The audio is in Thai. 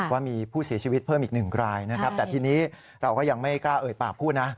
ว่ามีผู้เสียชีวิตเพิ่มอีกหนึ่งรายนะครับแต่ทีนี้เราก็ยังไม่กล้าเอ่ยปากพูดนะ